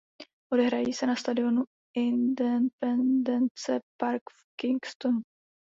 Odehrají se na stadiónu Independence Park v Kingstonu.